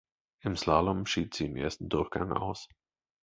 Im Slalom schied sie im ersten Durchgang aus.